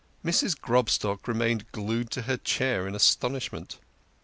43 Mrs. Grobstock remained glued to her chair in astonish ment.